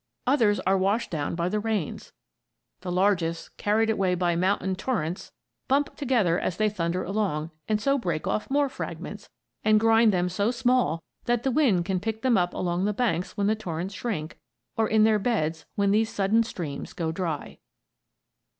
Others are washed down by the rains. The largest, carried away by mountain torrents, bump together as they thunder along, and so break off more fragments and grind them so small that the wind can pick them up along the banks when the torrents shrink, or in their beds when these sudden streams go dry.